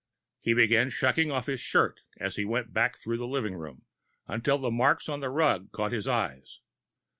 He began shucking off his shirt as he went back through the living room until the marks on the rug caught his eyes.